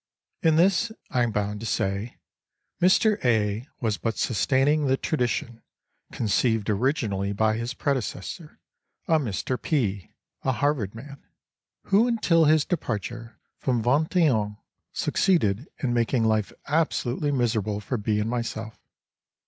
In this, I am bound to say, Mr. A. was but sustaining the tradition conceived originally by his predecessor, a Mr. P., a Harvard man, who until his departure from Vingt et Un succeeded in making life absolutely miserable for B. and myself.